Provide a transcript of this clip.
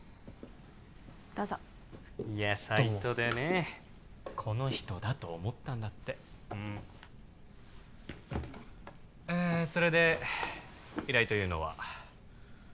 どうぞいやサイトでねどうもこの人だと思ったんだってうんそれで依頼というのは？